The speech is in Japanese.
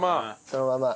そのまま。